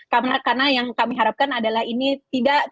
karena yang kami harapkan adalah ini tidak seperti politik dagang saja